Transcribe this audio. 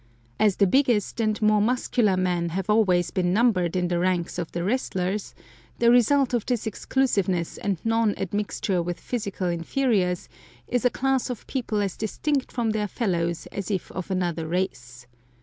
As the biggest and more muscular men have always been numbered in the ranks of the wrestlers, the result of this exclusiveness and non admixture with physical inferiors is a class of people as distinct from their fellows as if of another race.